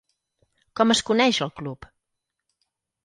Com es coneix el club?